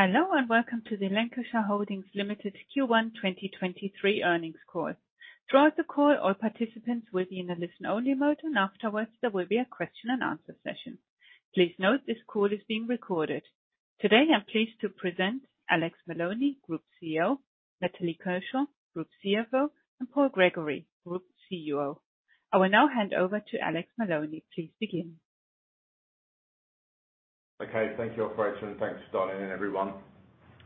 Hello, welcome to the Lancashire Holdings Limited Q1 2023 Earnings Call. Throughout the call, all participants will be in a listen only mode, and afterwards there will be a question and answer session. Please note, this call is being recorded. Today, I'm pleased to present Alex Maloney, Group CEO, Natalie Kershaw, Group CFO, and Paul Gregory, Group COO. I will now hand over to Alex Maloney. Please begin. Okay, thank you, operator, and thanks for dialing in everyone.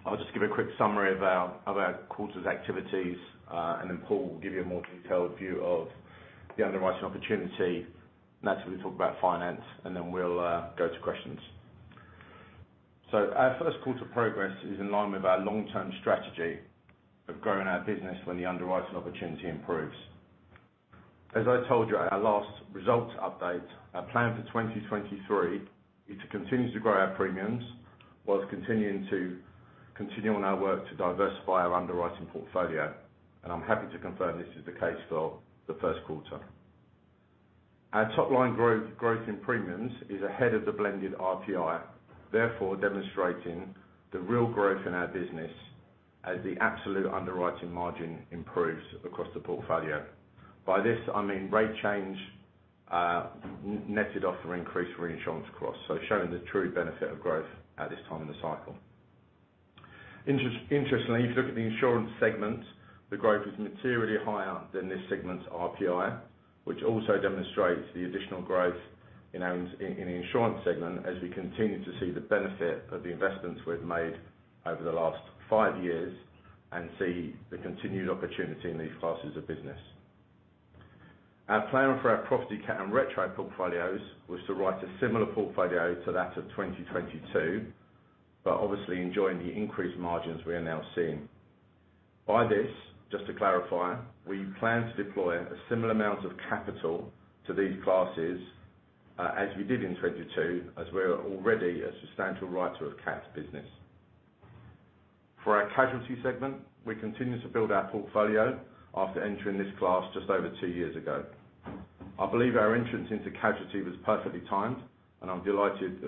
I'll just give a quick summary of our quarter's activities, and then Paul Gregory will give you a more detailed view of the underwriting opportunity. Natalie Kershaw will talk about finance, and then we'll go to questions. Our first quarter progress is in line with our long-term strategy of growing our business when the underwriting opportunity improves. As I told you at our last results update, our plan for 2023 is to continue to grow our premiums whilst continuing on our work to diversify our underwriting portfolio. I'm happy to confirm this is the case for the first quarter. Our top line growth in premiums is ahead of the blended RPI, therefore demonstrating the real growth in our business as the absolute underwriting margin improves across the portfolio. By this, I mean rate change, netted off our increased reinsurance cross, so showing the true benefit of growth at this time in the cycle. Interestingly, if you look at the insurance segment, the growth is materially higher than this segment's RPI, which also demonstrates the additional growth in our in the insurance segment as we continue to see the benefit of the investments we've made over the last five years and see the continued opportunity in these classes of business. Our plan for our property cat and retro portfolios was to write a similar portfolio to that of 2022, but obviously enjoying the increased margins we are now seeing. By this, just to clarify, we plan to deploy a similar amount of capital to these classes, as we did in 22, as we're already a substantial writer of cat business. For our casualty segment, we continue to build our portfolio after entering this class just over two years ago. I believe our entrance into casualty was perfectly timed, and I'm delighted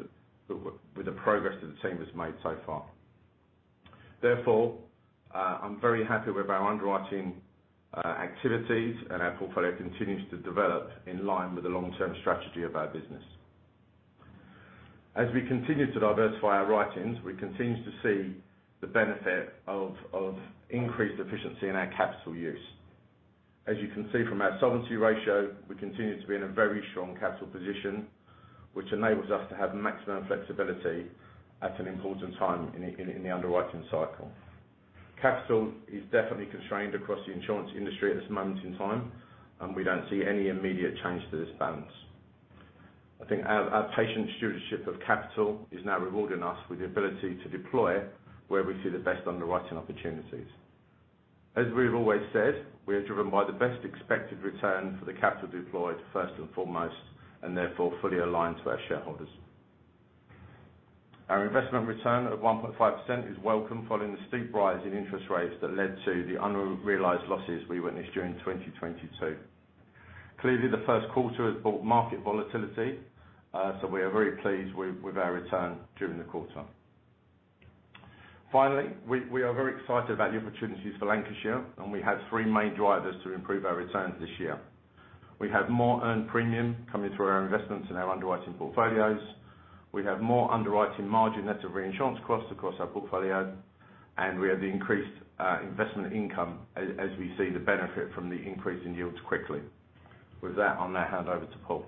that with the progress that the team has made so far. Therefore, I'm very happy with our underwriting activities and our portfolio continues to develop in line with the long-term strategy of our business. As we continue to diversify our writings, we continue to see the benefit of increased efficiency in our capital use. As you can see from our solvency ratio, we continue to be in a very strong capital position, which enables us to have maximum flexibility at an important time in the underwriting cycle. Capital is definitely constrained across the insurance industry at this moment in time. We don't see any immediate change to this balance. I think our patient stewardship of capital is now rewarding us with the ability to deploy where we see the best underwriting opportunities. As we've always said, we are driven by the best expected return for the capital deployed first and foremost, and therefore fully aligned to our shareholders. Our investment return of 1.5% is welcome following the steep rise in interest rates that led to the unrealized losses we witnessed during 2022. Clearly, the first quarter has brought market volatility, so we are very pleased with our return during the quarter. Finally, we are very excited about the opportunities for Lancashire, and we have three main drivers to improve our returns this year. We have more earned premium coming through our investments in our underwriting portfolios. We have more underwriting margin net of reinsurance costs across our portfolio, and we have the increased investment income as we see the benefit from the increase in yields quickly. With that, I'll now hand over to Paul.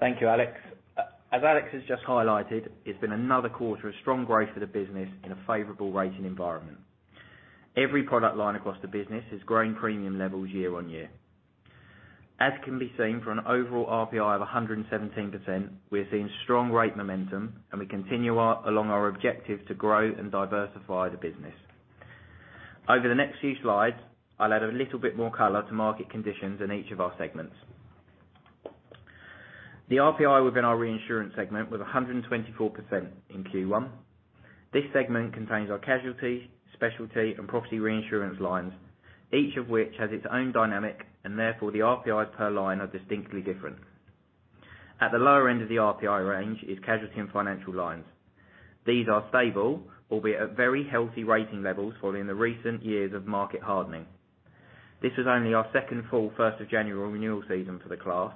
Thank you, Alex. As Alex has just highlighted, it's been another quarter of strong growth for the business in a favorable rating environment. Every product line across the business has grown premium levels year-on-year. As can be seen from an overall RPI of 117%, we are seeing strong rate momentum, and we continue along our objective to grow and diversify the business. Over the next few slides, I'll add a little bit more color to market conditions in each of our segments. The RPI within our reinsurance segment was 124% in Q1. This segment contains our casualty, specialty, and property reinsurance lines, each of which has its own dynamic and therefore the RPIs per line are distinctly different. At the lower end of the RPI range is casualty and financial lines. These are stable, albeit at very healthy rating levels following the recent years of market hardening. This was only our second full first of January renewal season for the class,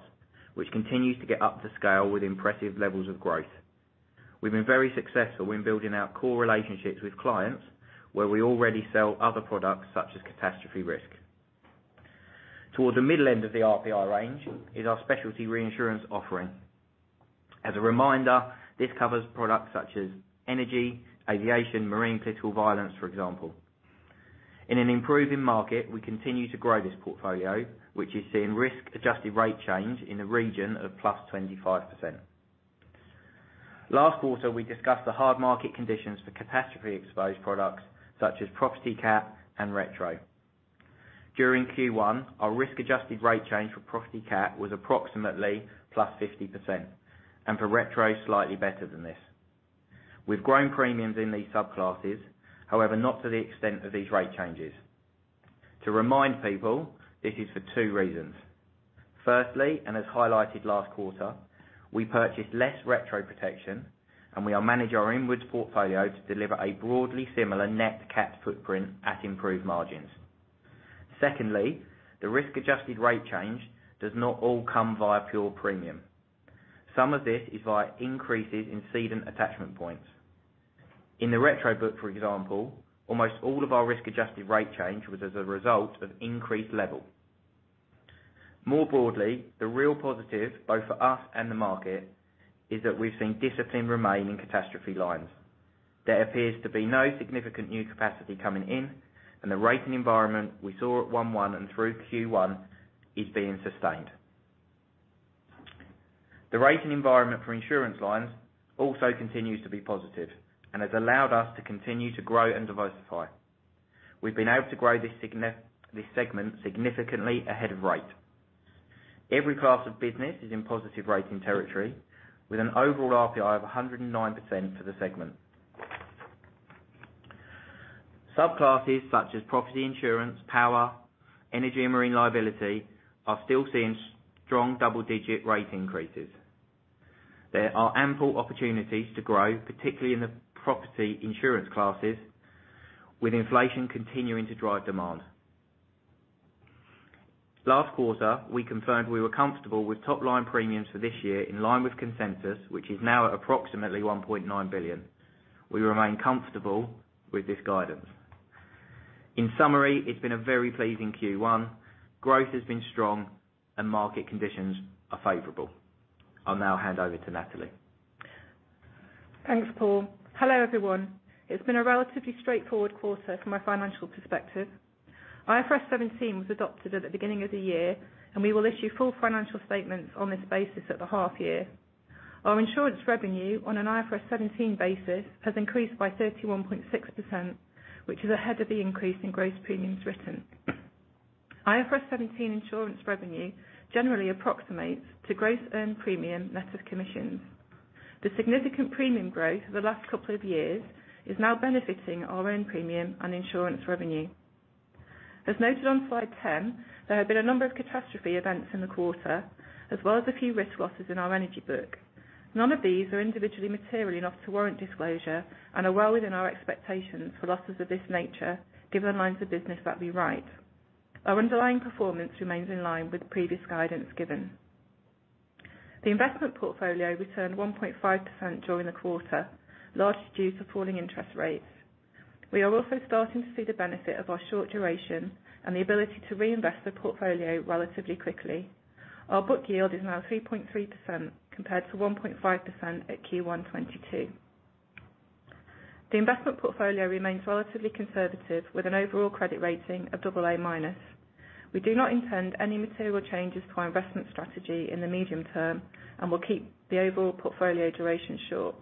which continues to get up to scale with impressive levels of growth. We've been very successful in building out core relationships with clients, where we already sell other products such as catastrophe risk. Towards the middle end of the RPI range is our specialty reinsurance offering. As a reminder, this covers products such as energy, aviation, marine, political violence, for example. In an improving market, we continue to grow this portfolio, which is seeing risk adjusted rate change in the region of +25%. Last quarter, we discussed the hard market conditions for catastrophe exposed products such as property cat and retro. During Q1, our risk adjusted rate change for property cat was approximately +50%, and for retro, slightly better than this. We've grown premiums in these subclasses, however, not to the extent of these rate changes. To remind people, this is for two reasons. Firstly, and as highlighted last quarter, we purchased less retro protection, and we now manage our inwards portfolio to deliver a broadly similar net cat footprint at improved margins. Secondly, the risk adjusted rate change does not all come via pure premium. Some of this is via increases in cedent attachment points. In the retro book, for example, almost all of our risk adjusted rate change was as a result of increased level. More broadly, the real positive both for us and the market is that we've seen discipline remain in catastrophe lines. There appears to be no significant new capacity coming in and the rating environment we saw at 1/1 and through Q1 is being sustained. The rating environment for insurance lines also continues to be positive and has allowed us to continue to grow and diversify. We've been able to grow this segment significantly ahead of rate. Every class of business is in positive rating territory with an overall RPI of 109% for the segment. Subclasses such as property insurance, power, energy and marine liability are still seeing strong double-digit rate increases. There are ample opportunities to grow, particularly in the property insurance classes, with inflation continuing to drive demand. Last quarter, we confirmed we were comfortable with top line premiums for this year in line with consensus, which is now at approximately $1.9 billion. We remain comfortable with this guidance. In summary, it's been a very pleasing Q1. Growth has been strong and market conditions are favorable. I'll now hand over to Natalie. Thanks, Paul. Hello, everyone. It's been a relatively straightforward quarter from a financial perspective. IFRS 17 was adopted at the beginning of the year, and we will issue full financial statements on this basis at the half year. Our insurance revenue on an IFRS 17 basis has increased by 31.6%, which is ahead of the increase in gross premiums written. IFRS 17 insurance revenue generally approximates to gross earned premium net of commissions. The significant premium growth over the last couple of years is now benefiting our own premium and insurance revenue. As noted on slide 10, there have been a number of catastrophe events in the quarter, as well as a few risk losses in our energy book. None of these are individually material enough to warrant disclosure and are well within our expectations for losses of this nature, given the lines of business that we write. Our underlying performance remains in line with previous guidance given. The investment portfolio returned 1.5% during the quarter, largely due to falling interest rates. We are also starting to see the benefit of our short duration and the ability to reinvest the portfolio relatively quickly. Our book yield is now 3.3% compared to 1.5% at Q1 2022. The investment portfolio remains relatively conservative with an overall credit rating of AA-. We do not intend any material changes to our investment strategy in the medium term and will keep the overall portfolio duration short.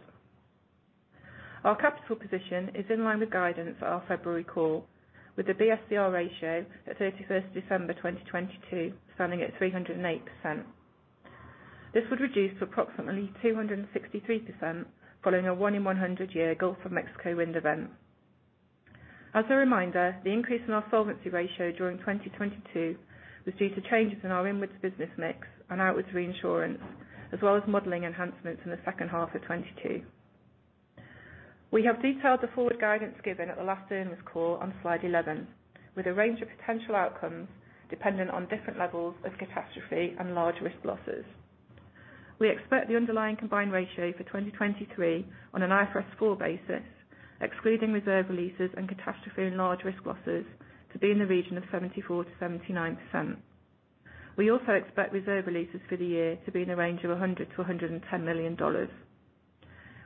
Our capital position is in line with guidance at our February call, with the BSCR ratio at 31st December 2022 standing at 308%. This would reduce to approximately 263% following a 1 in 100 year Gulf of Mexico wind event. As a reminder, the increase in our solvency ratio during 2022 was due to changes in our inwards business mix and outwards reinsurance, as well as modeling enhancements in the second half of 2022. We have detailed the forward guidance given at the last earnings call on slide 11, with a range of potential outcomes dependent on different levels of catastrophe and large risk losses. We expect the underlying combined ratio for 2023 on an IFRS 4 basis, excluding reserve releases and catastrophe and large risk losses to be in the region of 74%-79%. We also expect reserve releases for the year to be in the range of $100 million-$110 million.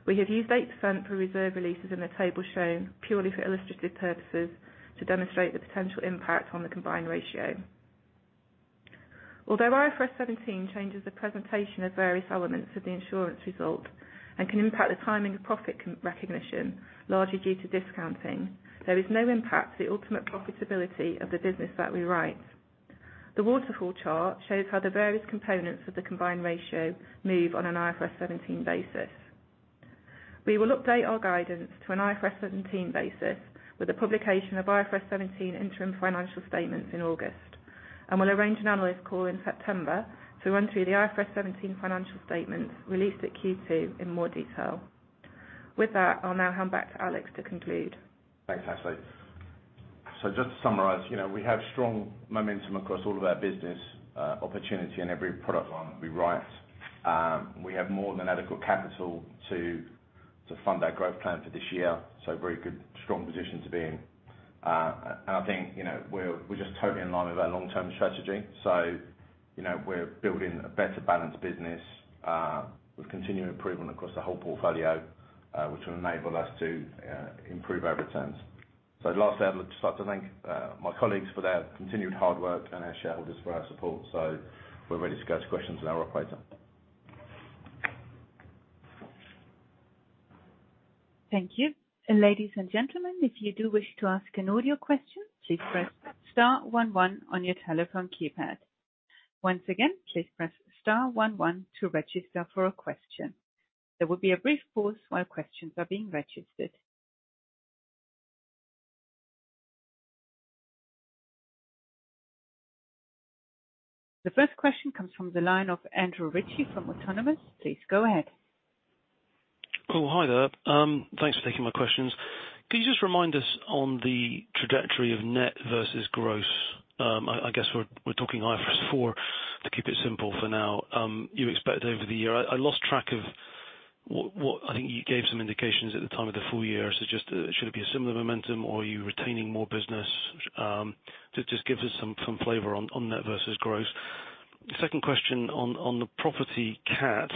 We have used 8% for reserve releases in the table shown purely for illustrative purposes to demonstrate the potential impact on the combined ratio. Although IFRS 17 changes the presentation of various elements of the insurance result and can impact the timing of profit recognition, largely due to discounting, there is no impact to the ultimate profitability of the business that we write. The waterfall chart shows how the various components of the combined ratio move on an IFRS 17 basis. We will update our guidance to an IFRS 17 basis with the publication of IFRS 17 interim financial statements in August. We will arrange an analyst call in September to run through the IFRS 17 financial statements released at Q2 in more detail. With that, I'll now hand back to Alex to conclude. Thanks, Natalie. Just to summarize, you know, we have strong momentum across all of our business, opportunity in every product line that we write. We have more than adequate capital to fund our growth plan for this year, very good, strong position to be in. I think, you know, we're just totally in line with our long-term strategy. You know, we're building a better balanced business, with continued improvement across the whole portfolio, which will enable us to improve our returns. Lastly, I'd like to thank my colleagues for their continued hard work and our shareholders for their support. We're ready to go to questions now, operator. Thank you. Ladies and gentlemen, if you do wish to ask an audio question, please press star one one on your telephone keypad. Once again, please press star one one to register for a question. There will be a brief pause while questions are being registered. The first question comes from the line of Andrew Ritchie from Autonomous. Please go ahead. Cool. Hi there. Thanks for taking my questions. Could you just remind us on the trajectory of net vs gross? I guess we're talking IFRS 4 to keep it simple for now. You expect over the year... I lost track of what... I think you gave some indications at the time of the full year. Just, should it be a similar momentum, or are you retaining more business? Just give us some flavor on net vs gross. The second question on the property cat.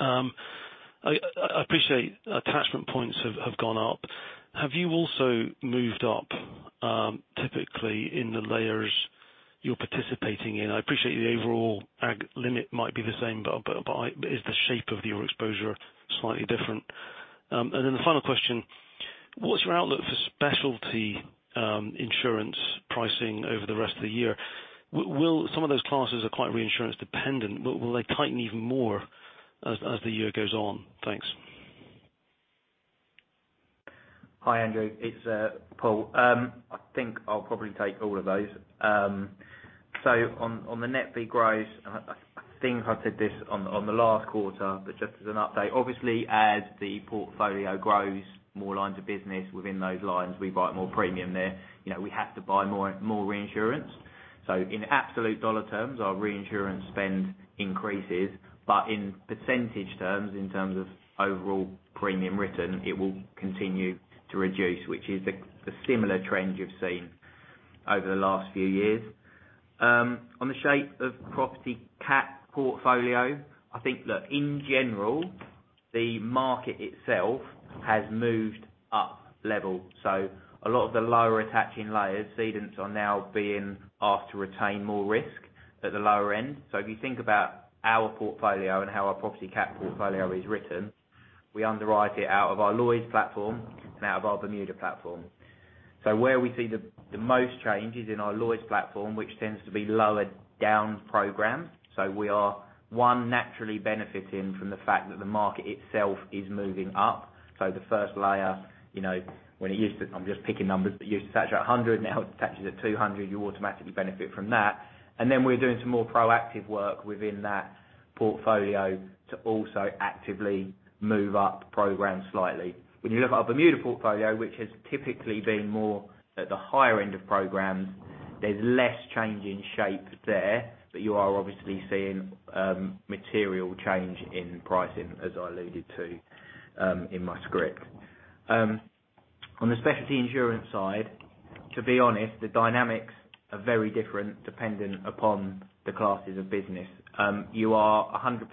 I appreciate attachment points have gone up. Have you also moved up, typically in the layers you're participating in? I appreciate the overall ag limit might be the same, but is the shape of your exposure slightly different? The final question, what's your outlook for specialty insurance pricing over the rest of the year? Some of those classes are quite reinsurance dependent. Will they tighten even more as the year goes on? Thanks. Hi, Andrew. It's Paul. I think I'll probably take all of those. On the net v gross, I think I said this on the last quarter, but just as an update. Obviously, as the portfolio grows more lines of business within those lines, we write more premium there. You know, we have to buy more reinsurance. In absolute dollar terms, our reinsurance spend increases. In percentage terms, in terms of overall premium written, it will continue to reduce, which is a similar trend you've seen over the last few years. On the shape of property cat portfolio, I think, look, in general, the market itself has moved up level. A lot of the lower attaching layers, cedents are now being asked to retain more risk at the lower end. If you think about our portfolio and how our property cat portfolio is written, we underwrite it out of our Lloyd's platform and out of our Bermuda platform. Where we see the most change is in our Lloyd's platform, which tends to be lower down program. We are, one, naturally benefiting from the fact that the market itself is moving up. The first layer, you know, when it used to... I'm just picking numbers. It used to attach at 100, now it attaches at 200. You automatically benefit from that. Then we're doing some more proactive work within that portfolio to also actively move up the program slightly. When you look at our Bermuda portfolio, which has typically been more at the higher end of programs, there's less change in shape there. You are obviously seeing material change in pricing, as I alluded to in my script. On the specialty insurance side, to be honest, the dynamics are very different depending upon the classes of business. You are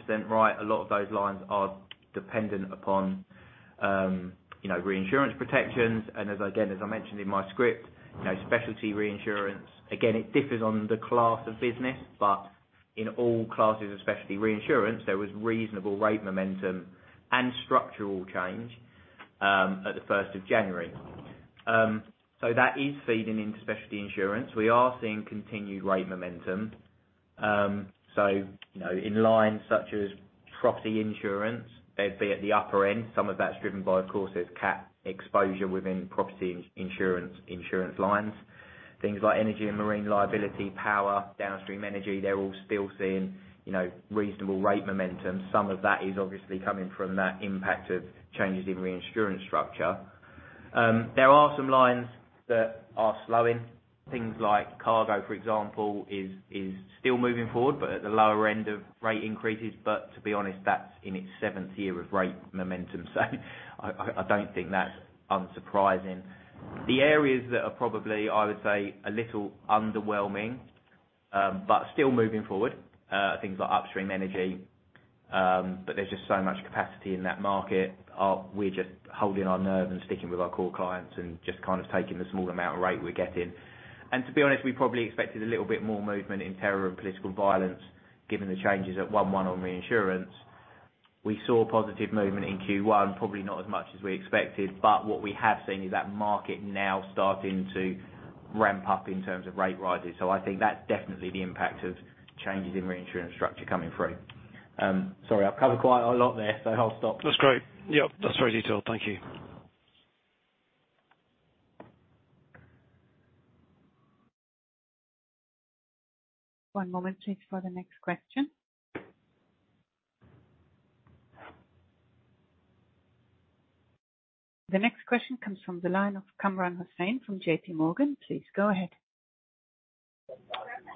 100% right. A lot of those lines are dependent upon, you know, reinsurance protections. As again, as I mentioned in my script, you know, specialty reinsurance, again, it differs on the class of business. In all classes of specialty reinsurance, there was reasonable rate momentum and structural change at the 1st of January. That is feeding into specialty insurance. We are seeing continued rate momentum. You know, in lines such as property insurance, they'd be at the upper end. Some of that's driven by, of course, there's cat exposure within property insurance lines. Things like energy and marine liability, power, downstream energy, they're all still seeing, you know, reasonable rate momentum. Some of that is obviously coming from that impact of changes in reinsurance structure. There are some lines that are slowing. Things like cargo, for example, is still moving forward, but at the lower end of rate increases. To be honest, that's in its seventh year of rate momentum. I don't think that's unsurprising. The areas that are probably, I would say, a little underwhelming, but still moving forward, things like upstream energy, there's just so much capacity in that market. We're just holding our nerve and sticking with our core clients and just kind of taking the small amount of rate we're getting. To be honest, we probably expected a little bit more movement in terror and political violence given the changes at one one on reinsurance. We saw positive movement in Q1, probably not as much as we expected, but what we have seen is that market now starting to ramp up in terms of rate rises. I think that's definitely the impact of changes in reinsurance structure coming through. Sorry, I've covered quite a lot there, so I'll stop. That's great. Yep, that's very detailed. Thank you. One moment, please, for the next question. The next question comes from the line of Kamran Hossain from JPMorgan. Please go ahead.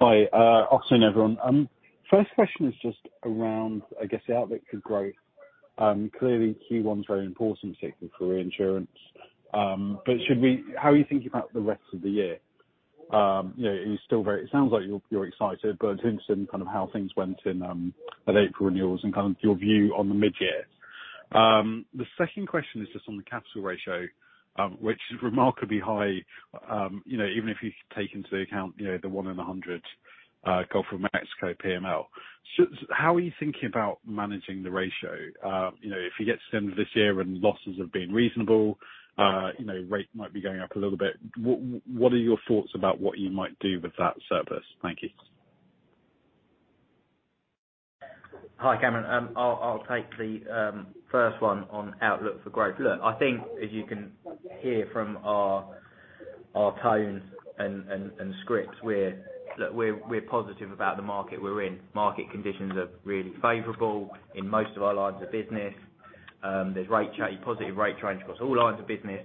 Hi. Afternoon, everyone. First question is just around, I guess, the outlook for growth. Clearly Q1 is very important, particularly for reinsurance. How are you thinking about the rest of the year? You know, are you still very... It sounds like you're excited, but I'm interested in kind of how things went in at April renewals and kind of your view on the mid-year. The second question is just on the capital ratio, which is remarkably high, you know, even if you take into account, you know, the one in 100 Gulf of Mexico PML. How are you thinking about managing the ratio? You know, if you get to the end of this year and losses have been reasonable, you know, rate might be going up a little bit. What are your thoughts about what you might do with that surplus? Thank you. Hi, Kamran. I'll take the first one on outlook for growth. I think as you can hear from our tones and scripts, we're... We're positive about the market we're in. Market conditions are really favorable in most of our lines of business. There's positive rate change across all lines of business.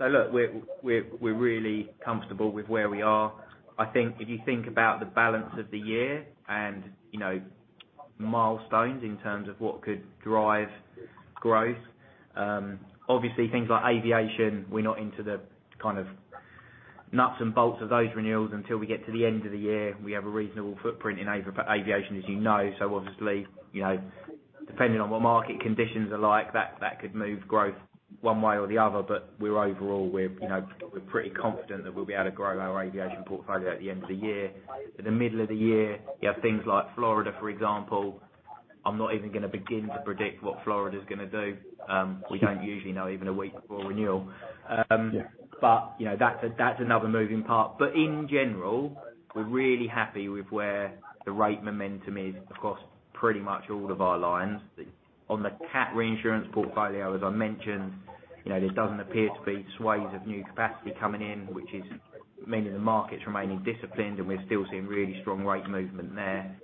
We're really comfortable with where we are. I think if you think about the balance of the year and, you know, milestones in terms of what could drive growth, obviously things like aviation, we're not into the kind of nuts and bolts of those renewals until we get to the end of the year. We have a reasonable footprint in aviation, as you know. Obviously, you know, depending on what market conditions are like, that could move growth one way or the other. We're overall, you know, we're pretty confident that we'll be able to grow our aviation portfolio at the end of the year. In the middle of the year, you have things like Florida, for example. I'm not even gonna begin to predict what Florida's gonna do. We don't usually know even a week before renewal. Yeah. you know, that's another moving part. In general, we're really happy with where the rate momentum is. Of course, pretty much all of our lines. On the cat reinsurance portfolio, as I mentioned, you know, there doesn't appear to be swathes of new capacity coming in, which is meaning the market's remaining disciplined, and we're still seeing really strong rate movement there.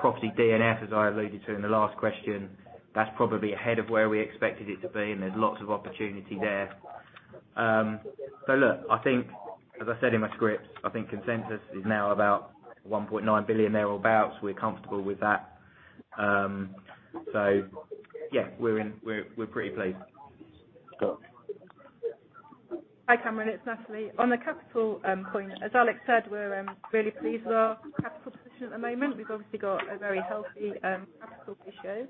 Property D&F, as I alluded to in the last question, that's probably ahead of where we expected it to be, and there's lots of opportunity there. Look, I think, as I said in my script, I think consensus is now about $1.9 billion thereabout. We're comfortable with that. Yeah, we're in... We're pretty pleased. Cool. Hi, Kamran. It's Natalie. On the capital point, as Alex said, we're really pleased with our capital position at the moment. We've obviously got a very healthy capital ratio,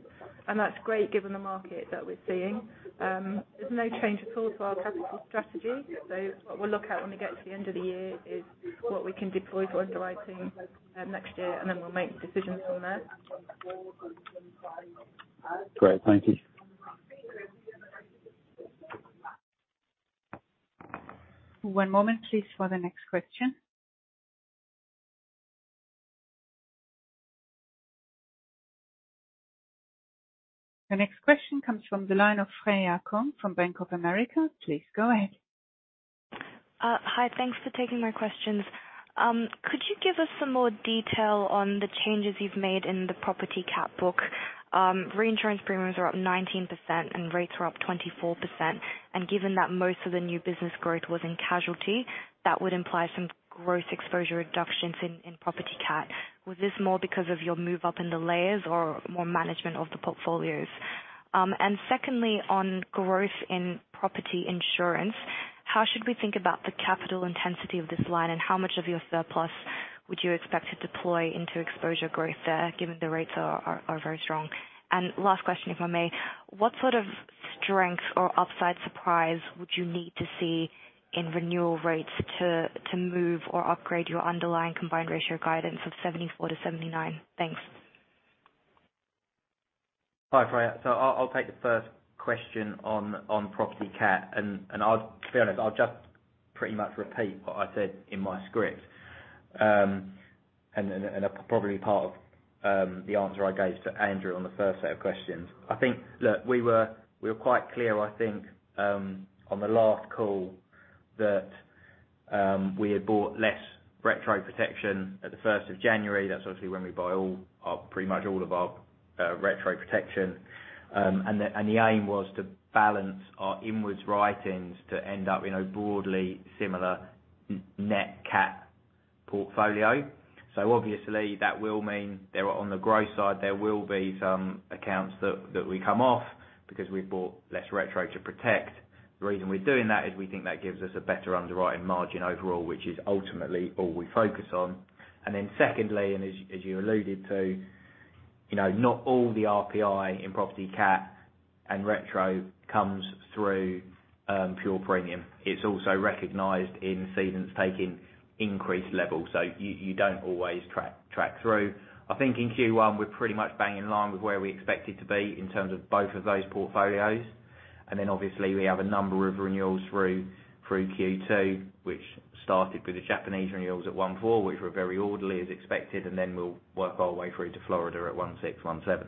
and that's great given the market that we're seeing. There's no change at all to our capital strategy. What we'll look at when we get to the end of the year is what we can deploy for underwriting next year, and then we'll make decisions from there. Great. Thank you. One moment, please, for the next question. The next question comes from the line of Freya Kong from Bank of America. Please go ahead. Hi. Thanks for taking my questions. Could you give us some more detail on the changes you've made in the property cat book? Reinsurance premiums are up 19%, and rates are up 24%. Given that most of the new business growth was in casualty, that would imply some growth exposure reductions in property cat. Was this more because of your move up in the layers or more management of the portfolios? Secondly, on growth in property insurance, how should we think about the capital intensity of this line, and how much of your surplus would you expect to deploy into exposure growth there, given the rates are very strong? Last question, if I may. What sort of strength or upside surprise would you need to see in renewal rates to move or upgrade your underlying combined ratio guidance of 74%-79%? Thanks. Hi, Freya. I'll take the first question on property cat. I'll be honest, I'll just pretty much repeat what I said in my script. Probably part of the answer I gave to Andrew on the first set of questions. I think, look, we were quite clear, I think, on the last call that we had bought less retro protection at the 1st of January. That's obviously when we buy all our pretty much all of our retro protection. The aim was to balance our inwards writings to end up, you know, broadly similar net cat portfolio. Obviously that will mean there are, on the growth side, there will be some accounts that will come off because we've bought less retro to protect. The reason we're doing that is we think that gives us a better underwriting margin overall, which is ultimately all we focus on. Secondly, as you, as you alluded to, you know, not all the RPI in property cat and retro comes through pure premium. It's also recognized in seasons taking increased levels. You don't always track through. I think in Q1 we're pretty much bang in line with where we expected to be in terms of both of those portfolios. Obviously we have a number of renewals through Q2, which started with the Japanese renewals at 1/4, which were very orderly as expected, we'll work our way through to Florida at 1/6, 1/7.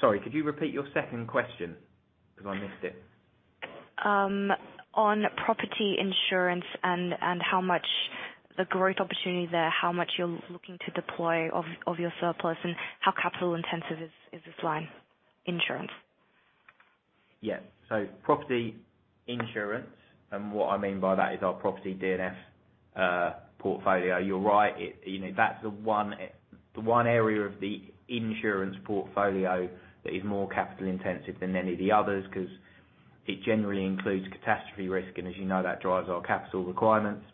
Sorry, could you repeat your second question because I missed it? on property insurance and how much the growth opportunity there, how much you're looking to deploy of your surplus, and how capital intensive is this line insurance? Yeah. Property insurance, and what I mean by that is our property D&F portfolio. You're right. You know, that's the one area of the insurance portfolio that is more capital intensive than any of the others 'cause it generally includes catastrophe risk. As you know, that drives our capital requirements.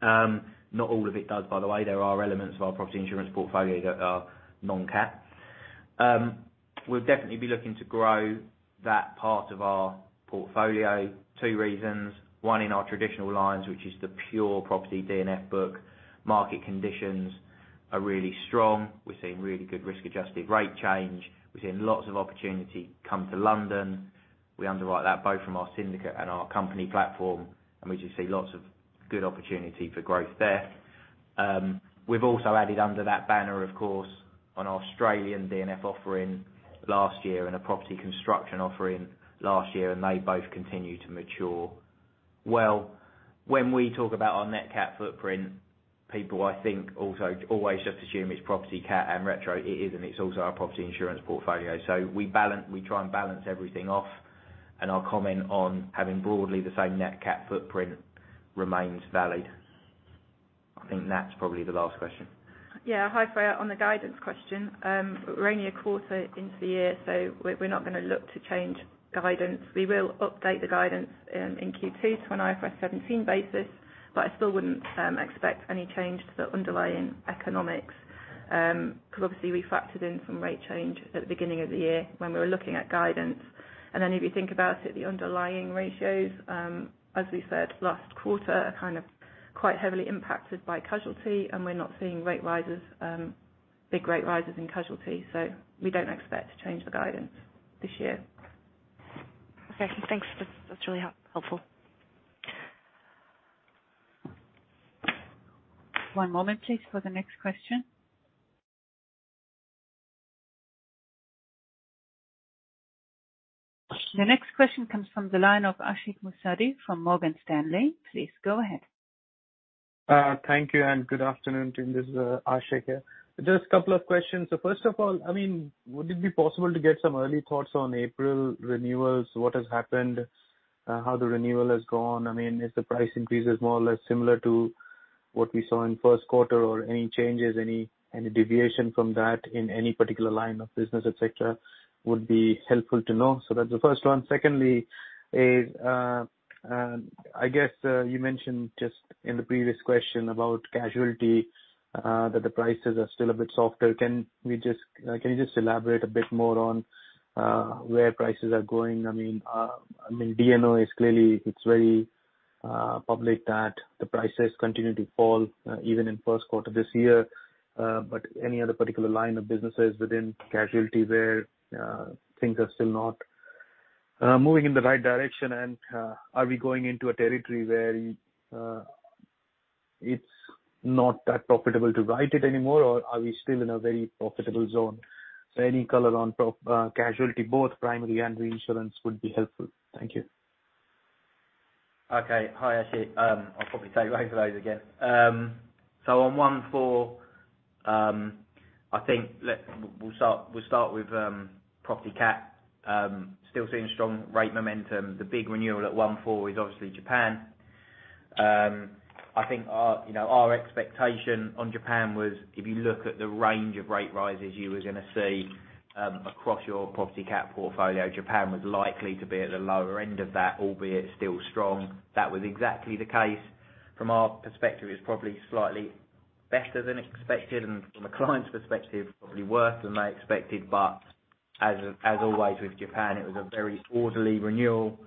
Not all of it does, by the way. There are elements of our property insurance portfolio that are non-cat. We'll definitely be looking to grow that part of our portfolio. Two reasons. One, in our traditional lines, which is the pure property D&F book. Market conditions are really strong. We're seeing really good risk-adjusted rate change. We're seeing lots of opportunity come to London. We underwrite that both from our syndicate and our company platform, and we just see lots of good opportunity for growth there. We've also added under that banner, of course, an Australian D&F offering last year and a property construction offering last year. They both continue to mature. Well, when we talk about our net cat footprint, people, I think, also always just assume it's property cat and retro. It is, and it's also our property insurance portfolio. We try and balance everything off. Our comment on having broadly the same net cat footprint remains valid. I think that's probably the last question. Yeah. Hi, Freya. On the guidance question, we're only a quarter into the year, so we're not gonna look to change guidance. We will update the guidance in Q2 to an IFRS 17 basis, but I still wouldn't expect any change to the underlying economics, 'cause obviously we factored in some rate change at the beginning of the year when we were looking at guidance. If you think about it, the underlying ratios, as we said last quarter, are kind of quite heavily impacted by casualty, and we're not seeing rate rises, big rate rises in casualty. We don't expect to change the guidance this year. Okay, thanks. That's really helpful. One moment, please, for the next question. The next question comes from the line of Ashik Musaddi from Morgan Stanley. Please go ahead. Thank you and good afternoon. This is Ashik here. Just a couple of questions. First of all, I mean, would it be possible to get some early thoughts on April renewals? What has happened? How the renewal has gone? I mean, is the price increases more or less similar to what we saw in first quarter? Any changes, any deviation from that in any particular line of business, et cetera, would be helpful to know. That's the first one. Secondly is, I guess, you mentioned just in the previous question about casualty, that the prices are still a bit softer. Can you just elaborate a bit more on where prices are going? I mean, I mean, D&F is clearly, it's very public that the prices continue to fall, even in first quarter this year. Any other particular line of businesses within casualty where things are still not moving in the right direction? Are we going into a territory where it's not that profitable to write it anymore? Or are we still in a very profitable zone? Any color on casualty, both primary and reinsurance would be helpful. Thank you. Okay. Hi, Ashik. I'll probably take both of those again. On 1/4, I think we'll start with property cat. Still seeing strong rate momentum. The big renewal at 1/4 is obviously Japan. I think our, you know, our expectation on Japan was if you look at the range of rate rises you were gonna see across your property cat portfolio, Japan was likely to be at the lower end of that, albeit still strong. That was exactly the case. From our perspective, it's probably slightly better than expected, and from the client's perspective, probably worse than they expected. As always with Japan, it was a very orderly renewal.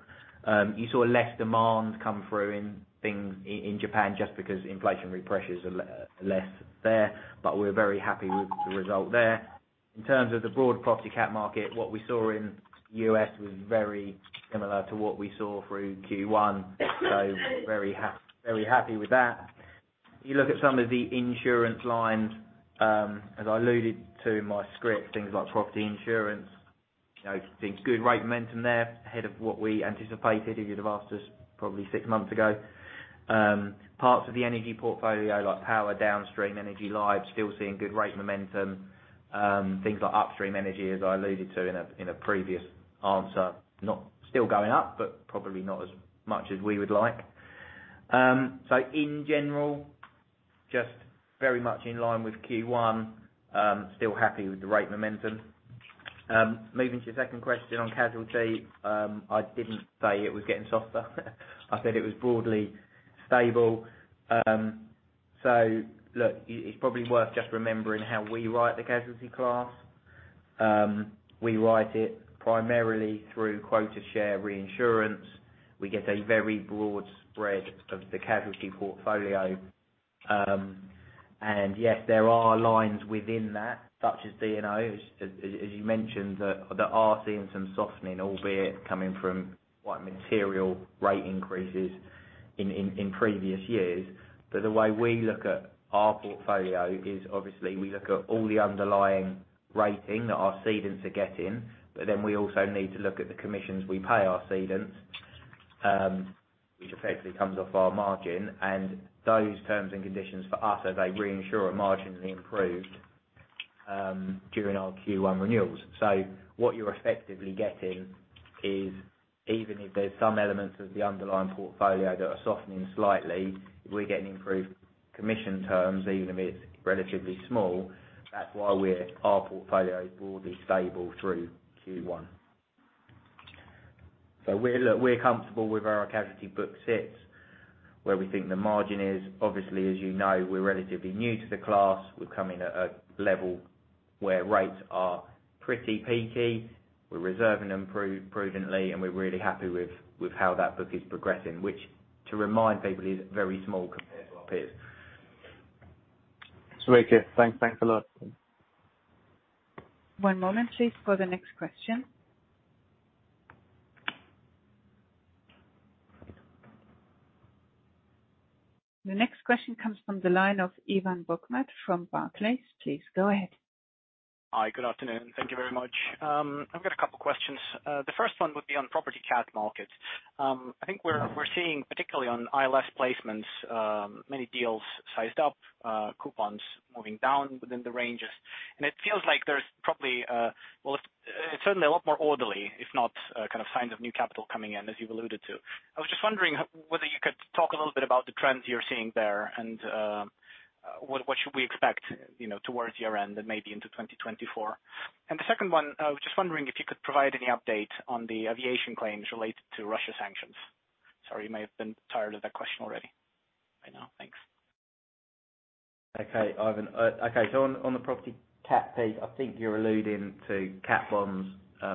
You saw less demand come through in things in Japan just because inflationary pressures are less there. We're very happy with the result there. In terms of the broad property cat market, what we saw in U.S. was very similar to what we saw through Q1, very happy with that. If you look at some of the insurance lines, as I alluded to in my script, things like property insurance, you know, seeing good rate momentum there ahead of what we anticipated, if you'd have asked us probably 6 months ago. Parts of the energy portfolio, like power downstream, energy live, still seeing good rate momentum. Things like upstream energy, as I alluded to in a previous answer, Still going up, but probably not as much as we would like. In general, just very much in line with Q1. Still happy with the rate momentum. Moving to your second question on casualty. I didn't say it was getting softer. I said it was broadly stable. Look, it's probably worth just remembering how we write the casualty class. We write it primarily through quota share reinsurance. We get a very broad spread of the casualty portfolio. Yes, there are lines within that, such as D&F, as you mentioned, that are seeing some softening, albeit coming from quite material rate increases in previous years. The way we look at our portfolio is obviously we look at all the underlying rating that our cedents are getting, but then we also need to look at the commissions we pay our cedents, which effectively comes off our margin. Those terms and conditions for us, as a reinsurer, marginally improved during our Q1 renewals. What you're effectively getting is, even if there's some elements of the underlying portfolio that are softening slightly, we're getting improved commission terms, even if it's relatively small. That's why our portfolio is broadly stable through Q1. We're, look, we're comfortable where our casualty book sits, where we think the margin is. Obviously, as you know, we're relatively new to the class. We've come in at a level where rates are pretty peaky. We're reserving them prudently, and we're really happy with how that book is progressing, which, to remind people, is very small compared to our peers. It's okay. Thanks, thanks a lot. One moment please for the next question. The next question comes from the line of Ivan Bokhmat from Barclays. Please go ahead. Hi, good afternoon. Thank you very much. I've got a couple of questions. The first one would be on property cat markets. I think we're seeing, particularly on ILS placements, many deals sized up, coupons moving down within the ranges. It feels like there's probably, well, it's certainly a lot more orderly, if not, kind of signs of new capital coming in, as you've alluded to. I was just wondering whether you could talk a little bit about the trends you're seeing there and what should we expect, you know, towards year-end and maybe into 2024. The second one, I was just wondering if you could provide any update on the aviation claims related to Russia sanctions. Sorry, you may have been tired of that question already by now. Thanks. Okay, Ivan. On the property cat piece, I think you're alluding to cat bonds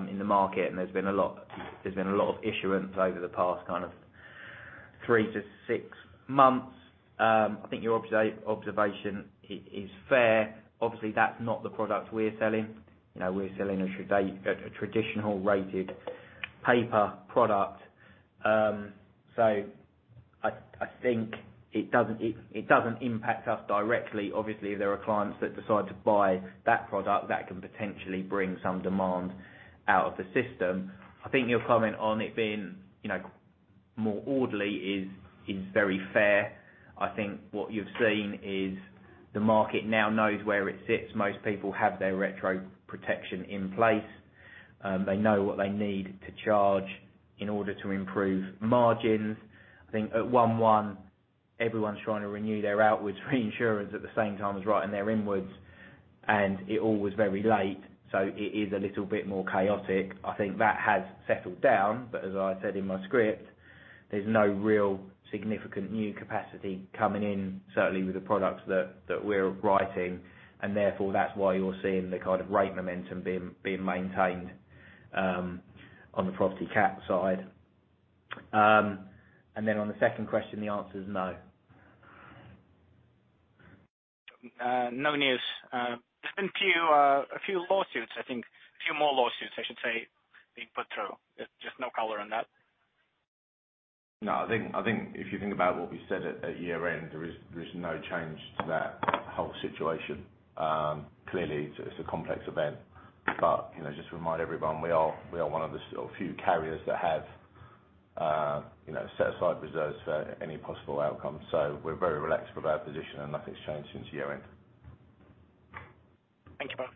in the market, and there's been a lot of issuance over the past kind of three to six months. I think your observation is fair. Obviously, that's not the product we're selling. You know, we're selling a traditional rated paper product. I think it doesn't impact us directly. Obviously, there are clients that decide to buy that product that can potentially bring some demand out of the system. I think your comment on it being, you know, more orderly is very fair. I think what you've seen is the market now knows where it sits. Most people have their retro protection in place. They know what they need to charge in order to improve margins. I think at 1/1, everyone's trying to renew their outwards reinsurance at the same time as writing their inwards, and it all was very late, so it is a little bit more chaotic. I think that has settled down. As I said in my script, there's no real significant new capacity coming in, certainly with the products that we're writing, and therefore that's why you're seeing the kind of rate momentum being maintained on the property cat side. Then on the second question, the answer is no. No news. There's been a few lawsuits, I think. A few more lawsuits I should say, being put through. Just no color on that. No, I think if you think about what we said at year-end, there is no change to that whole situation. Clearly it's a complex event. You know, just to remind everyone, we are one of the or few carriers that have, you know, set aside reserves for any possible outcome. We're very relaxed with our position and nothing's changed since year-end. Thank you both.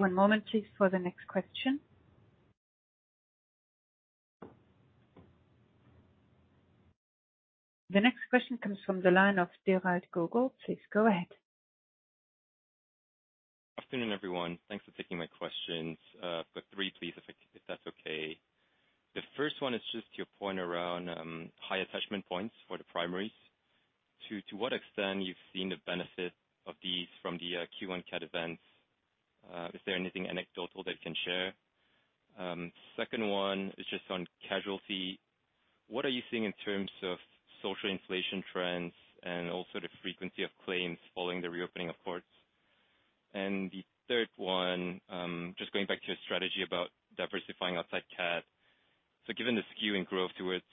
One moment please for the next question. The next question comes from the line of Derad Google. Please go ahead. Afternoon, everyone. Thanks for taking my questions. I've got three please, if that's okay. The first one is just your point around high attachment points for the primaries. To what extent you've seen the benefit of these from the Q1 cat events. Is there anything anecdotal that you can share? Second one is just on casualty. What are you seeing in terms of social inflation trends and also the frequency of claims following the reopening of courts? The third one, just going back to your strategy about diversifying outside cat. Given the skew in growth towards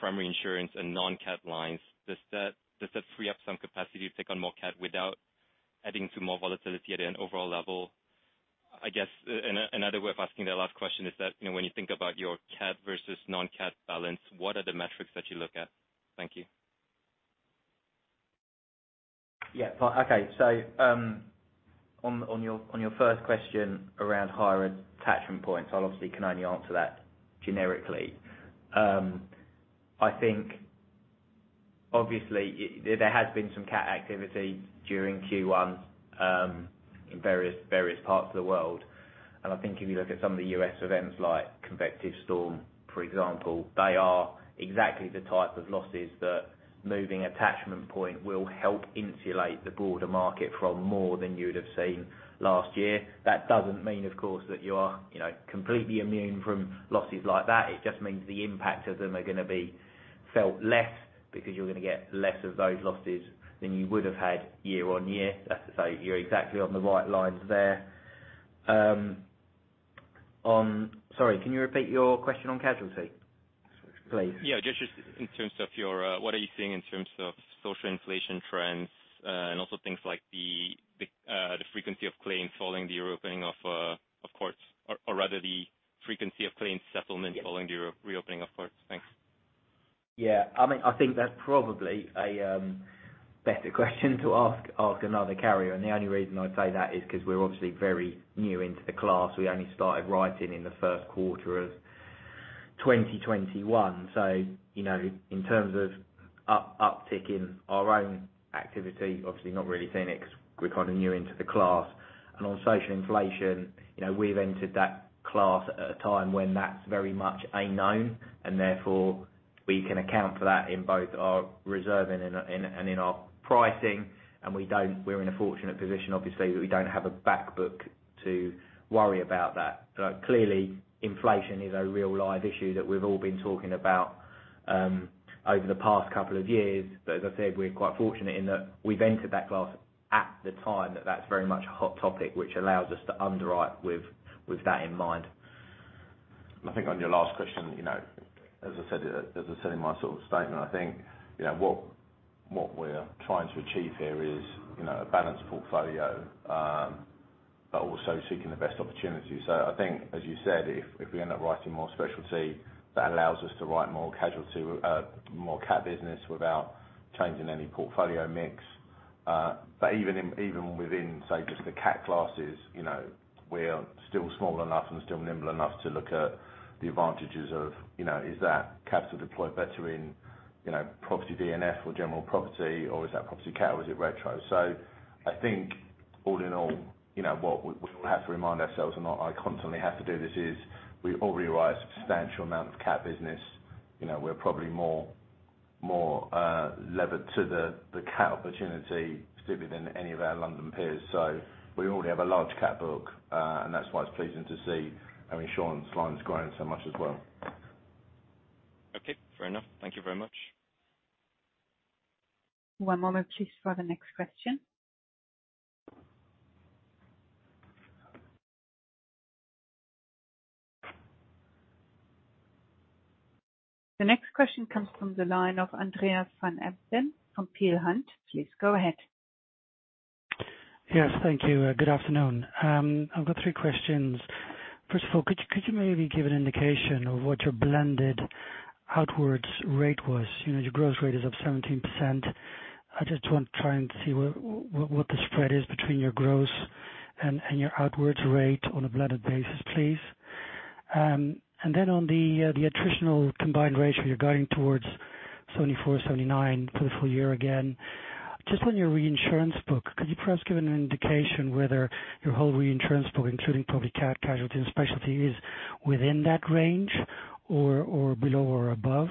primary insurance and non-cat lines, does that free up some capacity to take on more cat without adding to more volatility at an overall level? I guess another way of asking that last question is that, you know, when you think about your cat vs non-cat balance, what are the metrics that you look at? Thank you. Yeah. Okay. On, on your, on your first question around higher attachment points, I obviously can only answer that generically. I think obviously there has been some cat activity during Q1, in various parts of the world. I think if you look at some of the U.S. events like convective storm, for example, they are exactly the type of losses that moving attachment point will help insulate the broader market from more than you would have seen last year. That doesn't mean, of course, that you are, you know, completely immune from losses like that. It just means the impact of them are gonna be felt less because you're gonna get less of those losses than you would have had year-on-year. As I say, you're exactly on the right lines there. sorry, can you repeat your question on casualty, please? Yeah, just in terms of your, what are you seeing in terms of social inflation trends, and also things like the frequency of claims following the reopening of courts, or rather the frequency of claims settlement following the reopening of courts? Thanks. Yeah. I mean, I think that's probably a better question to ask another carrier. The only reason I say that is 'cause we're obviously very new into the class. We only started writing in the first quarter of 2021. You know, in terms of uptick in our own activity, obviously not really seeing it 'cause we're kind of new into the class. On social inflation, you know, we've entered that class at a time when that's very much unknown, and therefore we can account for that in both our reserve and in our pricing. We're in a fortunate position, obviously, that we don't have a back book to worry about that. Clearly, inflation is a real live issue that we've all been talking about over the past couple of years. As I said, we're quite fortunate in that we've entered that class at the time that that's very much a hot topic, which allows us to underwrite with that in mind. I think on your last question, you know, as I said in my sort of statement, I think, you know, what we're trying to achieve here is, you know, a balanced portfolio, but also seeking the best opportunity. I think, as you said, if we end up writing more specialty, that allows us to write more casualty, more cat business without changing any portfolio mix. Even within, say, just the cat classes, you know, we're still small enough and still nimble enough to look at the advantages of, you know, is that capital deployed better in, you know, property D&F or general property, or is that property cat or is it retro? I think all in all, you know, what we all have to remind ourselves, and I constantly have to do this, is we already write a substantial amount of cat business. You know, we're probably more levered to the cat opportunity certainly than any of our London peers. We already have a large cat book, and that's why it's pleasing to see, I mean, Sean's line is growing so much as well. Okay, fair enough. Thank you very much. One moment please for the next question. The next question comes from the line of Andreas van Embden from Peel Hunt. Please go ahead. Yes, thank you. Good afternoon. I've got three questions. First of all, could you maybe give an indication of what your blended outwards rate was? You know, your growth rate is up 17%. I just want to try and see what the spread is between your growth and your outwards rate on a blended basis, please. On the attritional combined ratio, you're guiding towards 74%-79% for the full year again. Just on your reinsurance book, could you perhaps give an indication whether your whole reinsurance book, including public casualty and specialty, is within that range or below or above?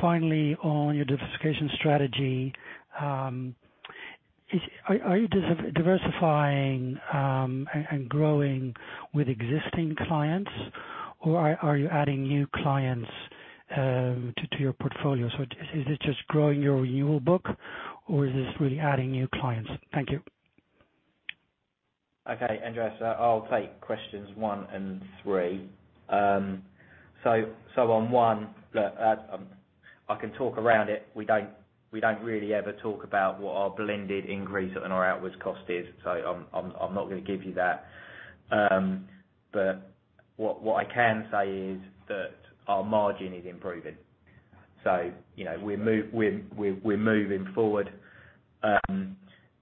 Finally, on your diversification strategy, Are you diversifying and growing with existing clients or are you adding new clients to your portfolio? Is it just growing your renewal book or is this really adding new clients? Thank you. Okay. Andreas, I'll take questions one and three. On one, look, I can talk around it. We don't really ever talk about what our blended increase on our outwards cost is. I'm not going to give you that. What I can say is that our margin is improving. You know, we're moving forward.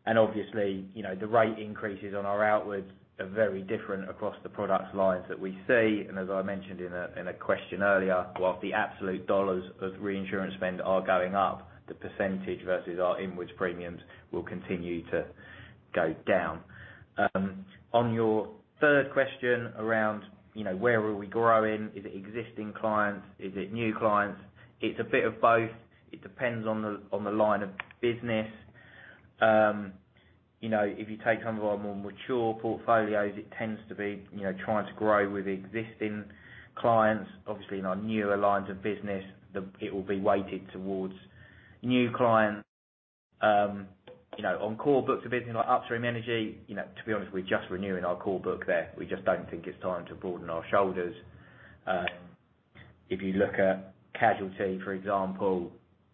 Obviously, you know, the rate increases on our outwards are very different across the products lines that we see. As I mentioned in a question earlier, whilst the absolute $ of reinsurance spend are going up, the % vs our inwards premiums will continue to go down. On your 3rd question around, you know, where are we growing? Is it existing clients? Is it new clients? It's a bit of both. It depends on the, on the line of business. you know, if you take some of our more mature portfolios, it tends to be, you know, trying to grow with existing clients. Obviously, in our newer lines of business, It will be weighted towards new clients. you know, on core books of business, like upstream energy, you know, to be honest, we're just renewing our core book there. We just don't think it's time to broaden our shoulders. If you look at casualty, for example,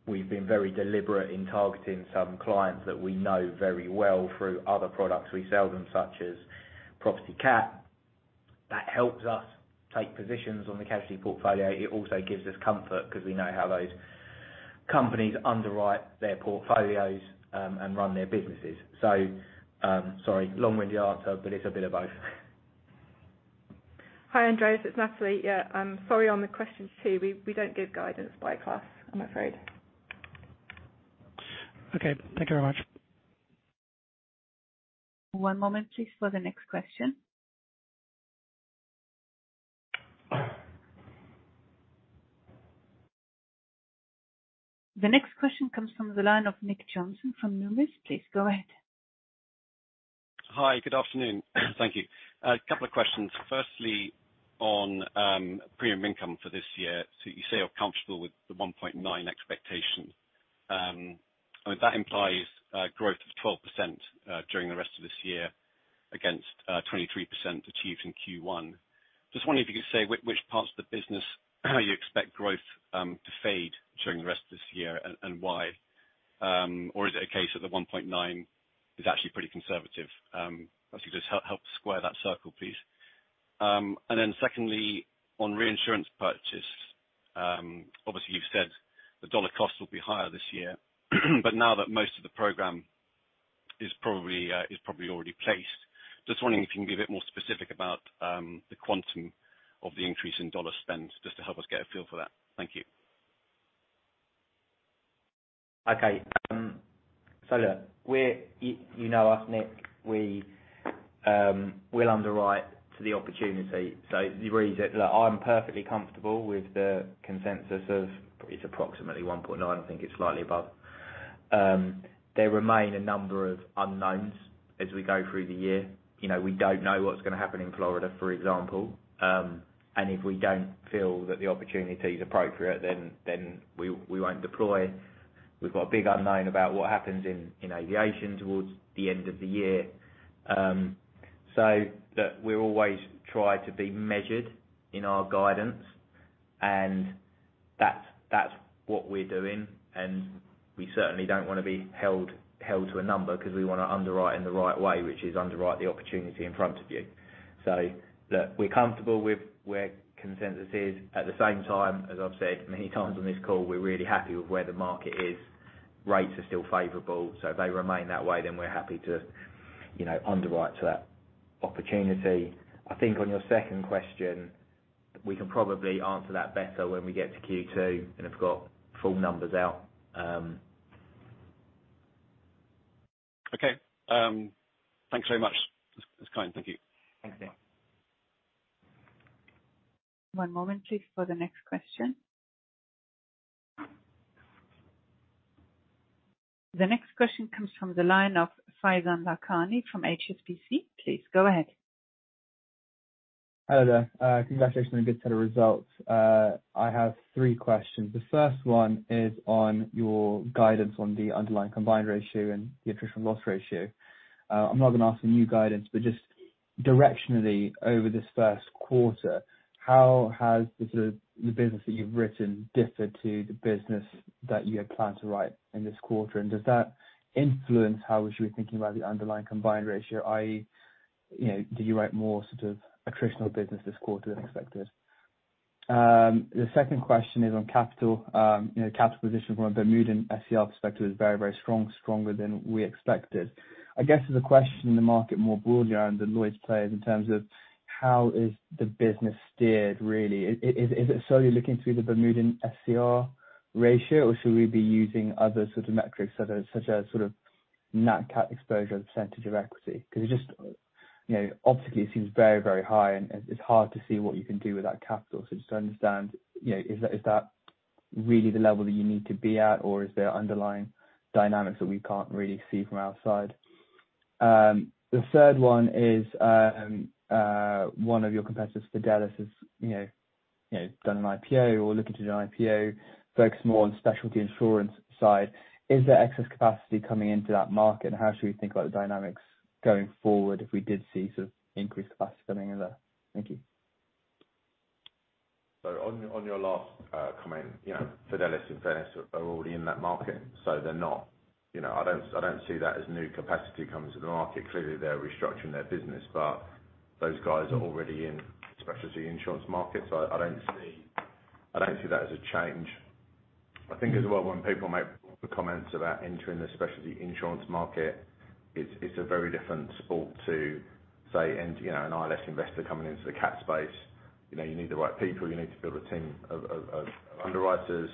we've been very deliberate in targeting some clients that we know very well through other products we sell them, such as property cat. That helps us take positions on the casualty portfolio. It also gives us comfort because we know how those companies underwrite their portfolios, and run their businesses. Sorry, long-winded answer, but it's a bit of both. Hi, Andreas. It's Natalie. Yeah. I'm sorry, on the question two, we don't give guidance by class, I'm afraid. Okay. Thank you very much. One moment please for the next question. The next question comes from the line of Nick Johnson from Numis. Please go ahead. Hi, good afternoon. Thank you. A couple of questions. Firstly, on premium income for this year. You say you're comfortable with the $1.9 expectation. I mean, that implies a growth of 12% during the rest of this year against 23% achieved in Q1. Just wondering if you could say which parts of the business you expect growth to fade during the rest of this year and why? Or is it a case that the $1.9 is actually pretty conservative? If you could just help square that circle, please. Then secondly, on reinsurance purchase, obviously you've said the dollar cost will be higher this year. Now that most of the program is probably already placed, just wondering if you can be a bit more specific about the quantum of the increase in $ spend, just to help us get a feel for that. Thank you. Okay. Look, you know us, Nick. We, we'll underwrite to the opportunity. Look, I'm perfectly comfortable with the consensus of it's approximately 1.9. I think it's slightly above. There remain a number of unknowns as we go through the year. You know, we don't know what's gonna happen in Florida, for example. If we don't feel that the opportunity is appropriate, then we won't deploy. We've got a big unknown about what happens in aviation towards the end of the year. So that we always try to be measured in our guidance, and that's what we're doing. We certainly don't wanna be held to a number 'cause we wanna underwrite in the right way, which is underwrite the opportunity in front of you. Look, we're comfortable with where consensus is. At the same time, as I've said many times on this call, we're really happy with where the market is. Rates are still favorable, so if they remain that way, then we're happy to, you know, underwrite to that opportunity. I think on your second question, we can probably answer that better when we get to Q2 and have got full numbers out. Okay. thanks very much. That's kind. Thank you. Thanks. One moment, please, for the next question. The next question comes from the line of Faizan Lakhani from HSBC. Please go ahead. Hello there. Congratulations on a good set of results. I have three questions. The first one is on your guidance on the underlying combined ratio and the attrition loss ratio. I'm not gonna ask for new guidance, but just directionally, over this first quarter, how has the business that you've written differed to the business that you had planned to write in this quarter? Does that influence how we should be thinking about the underlying combined ratio, i.e., you know, did you write more sort of attritional business this quarter than expected? The second question is on capital. You know, capital position from a Bermudan SCR perspective is very strong, stronger than we expected. I guess the question in the market more broadly around the Lloyd's players in terms of how is the business steered really? Is it solely looking through the Bermudan SCR ratio, or should we be using other sort of metrics, such as sort of nat cat exposure percentage of equity? Because it just, you know, obviously it seems very, very high, and it's hard to see what you can do with that capital. Just to understand, you know, is that really the level that you need to be at, or is there underlying dynamics that we can't really see from our side? The third one is, one of your competitors, Fidelis, has, you know, done an IPO or looking to do an IPO, focus more on specialty insurance side. Is there excess capacity coming into that market? How should we think about the dynamics going forward if we did see sort of increased capacity coming in there? Thank you. On your last comment, you know, Fidelis, in fairness, are already in that market, so they're not, you know, I don't see that as new capacity coming to the market. Clearly, they're restructuring their business, but those guys are already in specialty insurance markets. I don't see that as a change. I think as well, when people make comments about entering the specialty insurance market, it's a very different sport to, say, enter, you know, an ILS investor coming into the cat space. You know, you need the right people. You need to build a team of underwriters.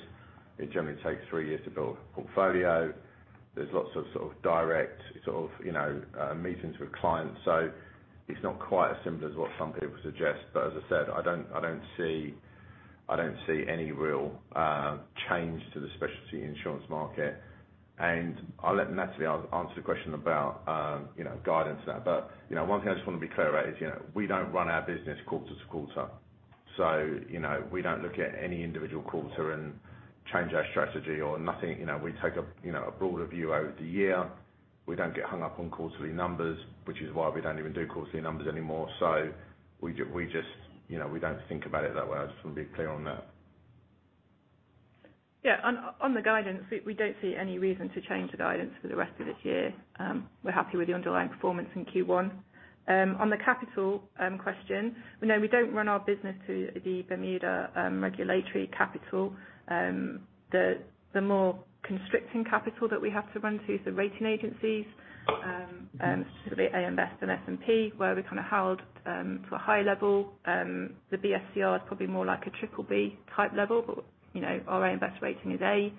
It generally takes three years to build a portfolio. There's lots of sort of direct, you know, meetings with clients. It's not quite as simple as what some people suggest. As I said, I don't see any real change to the specialty insurance market. I'll let Natalie answer the question about, you know, guidance to that. You know, one thing I just want to be clear about is, you know, we don't run our business quarter to quarter. You know, we don't look at any individual quarter and change our strategy or nothing. You know, we take a, you know, a broader view over the year. We don't get hung up on quarterly numbers, which is why we don't even do quarterly numbers anymore. We just, you know, we don't think about it that way. I just want to be clear on that. Yeah. On the guidance, we don't see any reason to change the guidance for the rest of this year. We're happy with the underlying performance in Q1. On the capital question, you know, we don't run our business to the Bermuda Regulatory Capital. The more constricting capital that we have to run to is the rating agencies. Specifically AM Best and S&P, where we're kind of held to a high level. The BSCR is probably more like a triple B type level, but, you know, our AM Best rating is A.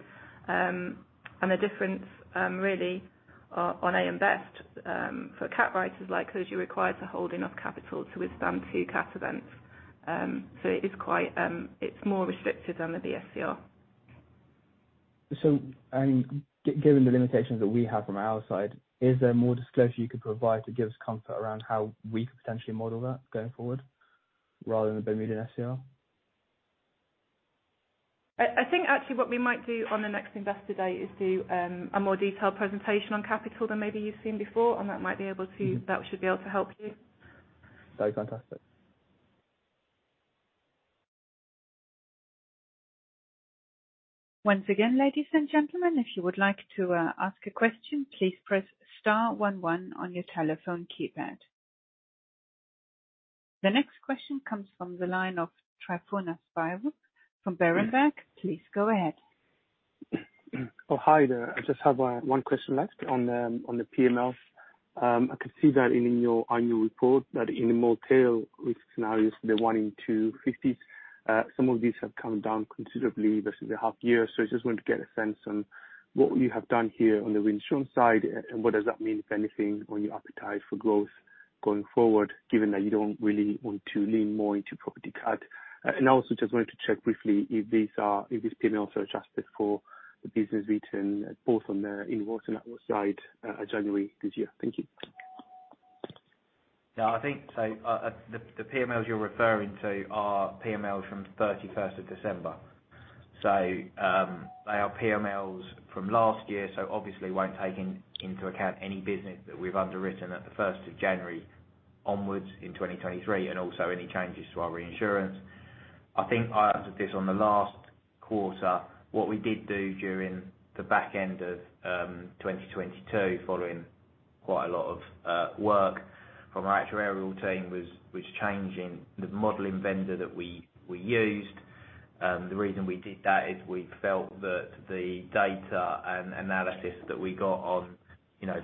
And the difference really on AM Best, for cat writers like us, you're required to hold enough capital to withstand two cat events. It is quite, it's more restrictive than the BSCR. And given the limitations that we have from our side, is there more disclosure you could provide to give us comfort around how we could potentially model that going forward rather than the Bermudan SCR? I think actually what we might do on the next investor date is do a more detailed presentation on capital than maybe you've seen before. That should be able to help you. Okay. Fantastic. Once again, ladies and gentlemen, if you would like to ask a question, please press star one one on your telephone keypad. The next question comes from the line of Tryfonas Spyrou from Berenberg. Please go ahead. hi there. I just have one question left on the, on the PMLs. I can see that in your annual report that in the more tail risk scenarios, the 1 in 250, some of these have come down considerably vs the half year. I just wanted to get a sense on what you have done here on the windstorm side, and what does that mean, if anything, on your appetite for growth? Going forward, given that you don't really want to lean more into property cat. I also just wanted to check briefly if these are, if these PMLs are adjusted for the business written both on the inwards and outwards side, January this year. Thank you. I think so, the PMLs you're referring to are PMLs from 31st of December. They are PMLs from last year, obviously won't take into account any business that we've underwritten at the 1st of January onwards in 2023, and also any changes to our reinsurance. I think I answered this on the last quarter. What we did do during the back end of 2022 following quite a lot of work from our actuarial team was changing the modeling vendor that we used. The reason we did that is we felt that the data and analysis that we got on, you know,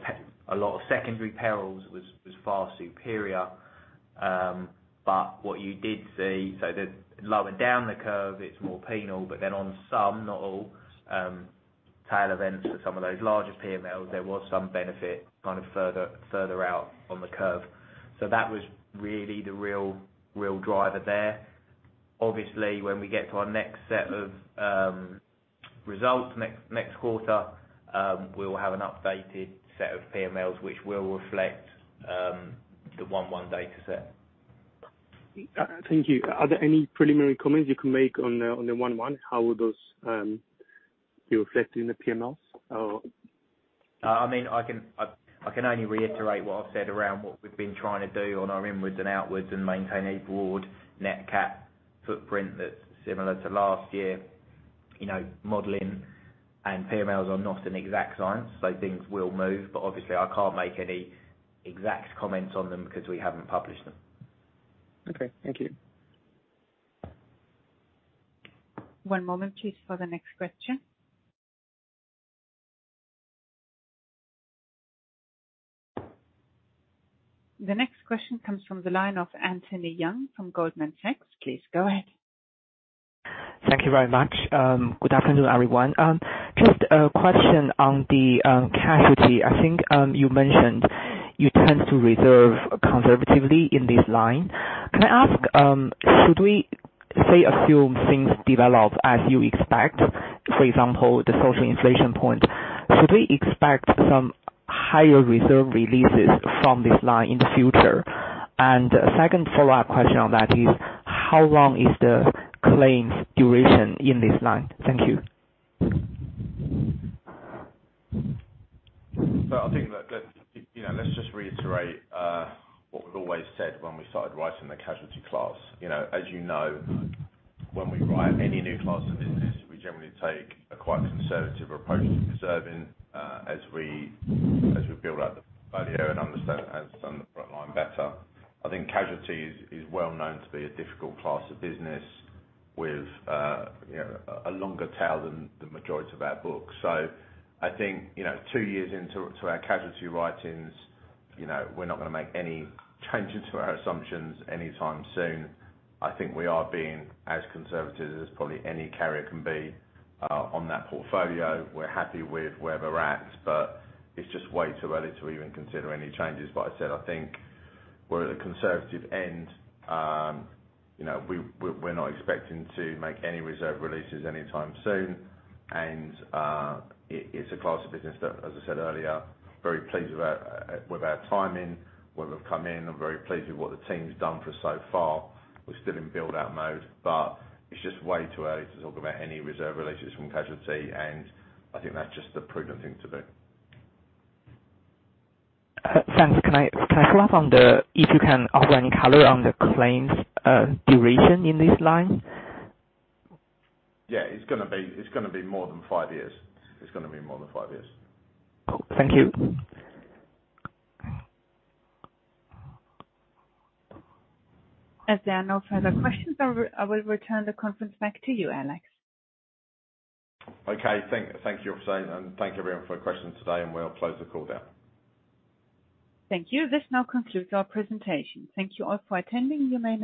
a lot of secondary perils was far superior. What you did see, the lower down the curve, it's more penal. On some, not all, tail events for some of those larger PMLs, there was some benefit kind of further out on the curve. That was really the real driver there. Obviously, when we get to our next set of results next quarter, we will have an updated set of PMLs which will reflect the 1/1 data set. Thank you. Are there any preliminary comments you can make on the 1/1? How will those be reflected in the PMLs? I mean, I can only reiterate what I've said around what we've been trying to do on our inwards and outwards, and maintain a broad net CAT footprint that's similar to last year. You know, modeling and PMLs are not an exact science, so things will move. Obviously I can't make any exact comments on them because we haven't published them. Okay, thank you. One moment, please, for the next question. The next question comes from the line of Anthony Young from Goldman Sachs. Please go ahead. Thank you very much. Good afternoon, everyone. Just a question on the casualty. I think you mentioned you tend to reserve conservatively in this line. Can I ask, should we, say, assume things develop as you expect, for example, the social inflation point, should we expect some higher reserve releases from this line in the future? A second follow-up question on that is how long is the claims duration in this line? Thank you. I think that let's, you know, let's just reiterate what we've always said when we started writing the casualty class. You know, as you know, when we write any new class of business, we generally take a quite conservative approach to reserving as we build out the portfolio and understand the frontline better. I think casualty is well known to be a difficult class of business with, you know, a longer tail than the majority of our books. I think, you know, two years into our casualty writings, you know, we're not gonna make any changes to our assumptions anytime soon. I think we are being as conservative as probably any carrier can be on that portfolio. We're happy with where we're at, but it's just way too early to even consider any changes. I said, I think we're at a conservative end. you know, we're not expecting to make any reserve releases anytime soon. It's a class of business that, as I said earlier, very pleased about with our timing, where we've come in. I'm very pleased with what the team's done for us so far. We're still in build-out mode. It's just way too early to talk about any reserve releases from casualty, and I think that's just the prudent thing to do. Thanks. Can I follow up if you can offer any color on the claims duration in this line? Yeah, it's gonna be more than five years. It's gonna be more than five years. Cool. Thank you. There are no further questions, I will return the conference back to you, Alex. Okay. Thank you for saying, and thank you everyone for your questions today, and we'll close the call now. Thank you. This now concludes our presentation. Thank you all for attending. You may now disconnect.